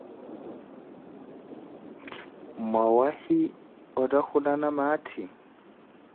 Mwawahi otthakhulana maathi?